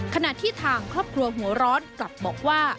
ขณะที่ทางครอบครัวหัวร้อนกลับบอกว่า